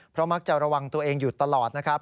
เพราะมักจะระวังตัวเองอยู่ตลอดนะครับ